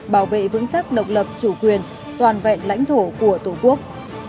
bảo vệ vững chắc độc lập chủ quyền toàn vẹn lãnh thổ của tổ quốc